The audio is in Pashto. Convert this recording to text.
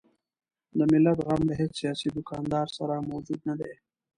د ملت غم له هیڅ سیاسي دوکاندار سره موجود نه دی.